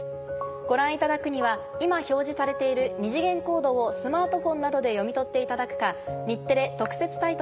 ご覧いただくには今表示されている二次元コードをスマートフォンなどで読み取っていただくか。